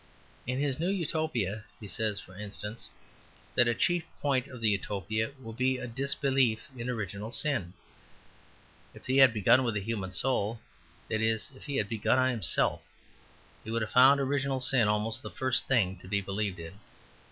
In his new Utopia he says, for instance, that a chief point of the Utopia will be a disbelief in original sin. If he had begun with the human soul that is, if he had begun on himself he would have found original sin almost the first thing to be believed in.